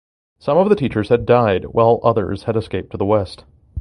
Some of the teachers had died while others had escaped to the west.